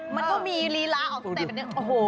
มันก็มีลีลาออกสเต็ปแบบนี้โอ้โห